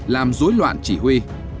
làm dối loạn chỉ huy